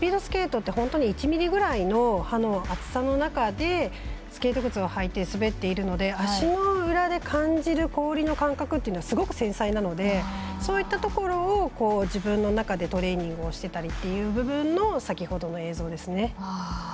本当に１ミリくらいの厚さの中でスケート靴を履いて滑っているので足の裏で感じる氷の感覚っていうのはすごく繊細なのでそういったところを自分の中でトレーニングしてたりという先ほどの映像です。